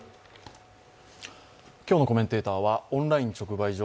今日のコメンテーターはオンライン直売所